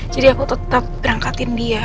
jadi aku tetap rangkatin dia